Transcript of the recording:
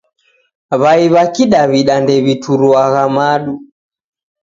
W'ai w'a kidaw'ida ndew'ituruagha madu